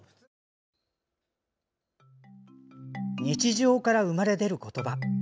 日常から生まれ出る言葉。